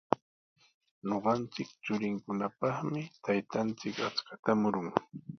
Ñuqanchik churinkunapaqmi taytanchik achkata murun.